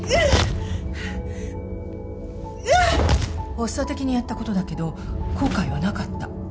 発作的にやった事だけど後悔はなかった。